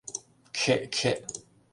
Кхе-кхе...